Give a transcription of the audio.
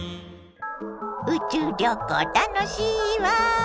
宇宙旅行楽しいわ。